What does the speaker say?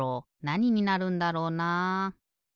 なにになるんだろうなあ？